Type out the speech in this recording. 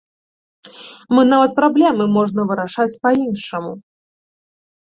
Мы нават праблемы можна вырашаць па-іншаму.